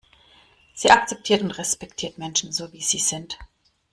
Sie akzeptiert und respektiert Menschen so, wie sie sind.